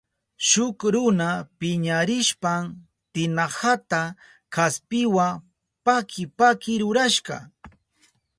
Shuk runa piñarishpan tinahata kaspiwa paki paki rurashka.